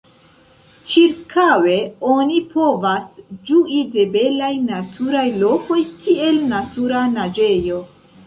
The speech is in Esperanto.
Ĉirkaŭe oni povas ĝui de belaj naturaj lokoj, kiel natura naĝejo.